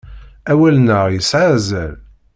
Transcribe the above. Awal-nneɣ yesɛa azal.